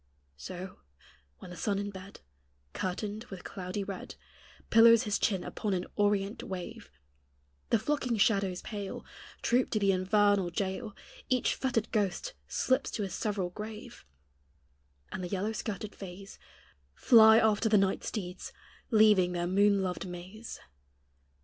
So, when the sun in bed, Curtained with cloudy red, Pillows his chin upon an orient wave, The flocking shadows pale Troop to the infernal jail Each fettered ghost slips to his several grave; And the yellow skirted fays Fly after the night steeds, leaving their moon loved maze.